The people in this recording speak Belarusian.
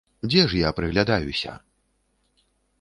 Дзе ж я прыглядаюся?